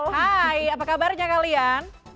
hai apa kabarnya kalian